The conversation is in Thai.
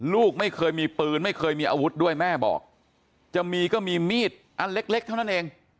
ลูกไม่เคยมีปืนไม่เคยมีอาวุธด้วยแม่บอกจะมีก็มีมีดอันเล็กเท่านั้นเอง